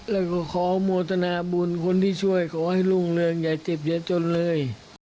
แล้วก็ขอโมทนาบุญคนที่ช่วยขอให้รุ่งเรืองอย่าเจ็บอย่าจนเลย